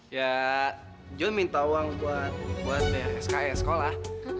ya dia minta uang buat sks sekolah